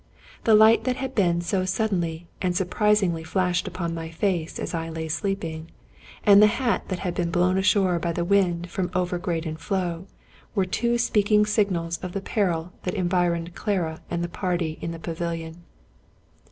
The light that had been so suddenly and surprisingly flashed upon my face as I lay sleeping, and the hat that had been blown ashore by the wind from over Graden Floe, were two speak ing signals of the peril that environed Clara and the party in the pavilion.